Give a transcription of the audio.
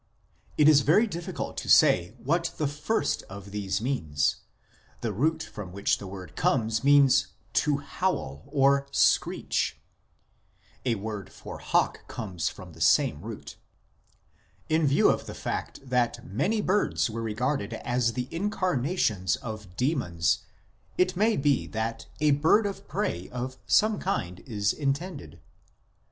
It is very difficult to say what the first of these means ; the root from which the word comes means " to howl " or " screech " (a word for " hawk " comes from the same root) ; in view of the fact that many birds were regarded as the incarnations of demons it may be that a bird of prey of some kind is in tended.